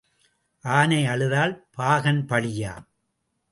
ஆனை அழுதால் பாகன் பழியா?